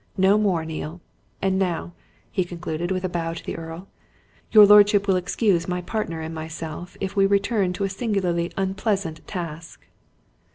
No more, Neale. And now," he concluded, with a bow to the Earl, "your lordship will excuse my partner and myself if we return to a singularly unpleasant task."